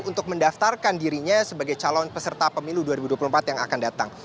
untuk mendaftarkan dirinya sebagai calon peserta pemilu dua ribu dua puluh empat yang akan datang